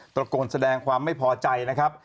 ระโกนแสดงความไม่พอใจนะครับ